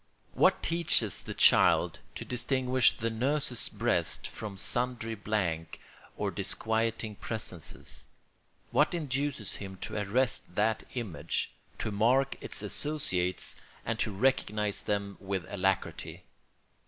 What teaches the child to distinguish the nurse's breast from sundry blank or disquieting presences? What induces him to arrest that image, to mark its associates, and to recognise them with alacrity?